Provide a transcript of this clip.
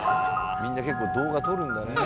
みんな結構動画撮るんだね。